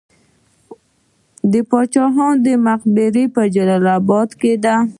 د باچا خان مقبره په جلال اباد کې ده